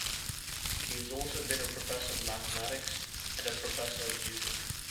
He has also been a professor of mathematics and a professor of music.